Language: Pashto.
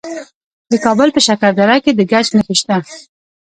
د کابل په شکردره کې د ګچ نښې شته.